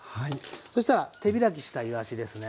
そしたら手開きしたいわしですね。